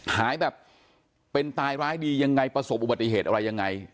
หายแบบเป็นตายร้ายดียังไงประสบอุบัติเหตุอะไรยังไง